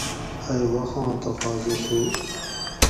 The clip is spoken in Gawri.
ائی وخاں تقاضہ تھو